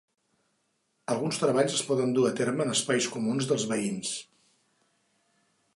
Alguns treballs es poden dur a terme en espais comuns dels veïns.